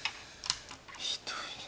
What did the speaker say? ひどいな。